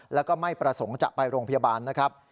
แล้วก็ไม่ประสงค์จะไปโรงพยาบาลนะครับ